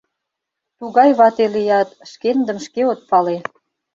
Тугай вате лият — шкендым шке от пале.